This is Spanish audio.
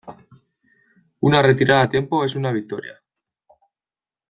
Una retirada a tiempo es una victoria.